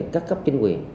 các cấp chính quyền